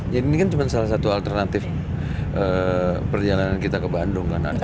jadi ini kan salah satu alternatif perjalanan kita ke bandung kan